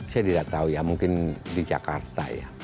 saya tidak tahu ya mungkin di jakarta ya